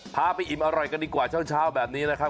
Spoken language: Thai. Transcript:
พาไปอิ่มอร่อยกันดีกว่าเช้าแบบนี้นะครับ